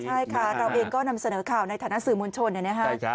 ใช่ค่ะเราเองก็นำเสนอข่าวในฐานะสื่อมวลชน